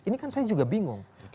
ini kan saya juga bingung